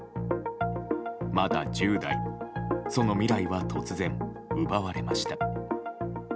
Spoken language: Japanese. まだ１０代、その未来は突然、奪われました。